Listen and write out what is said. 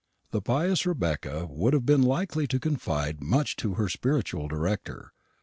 The pious Rebecca would have been likely to confide much to her spiritual director.